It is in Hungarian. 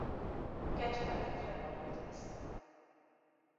Kecskemétre vonult vissza.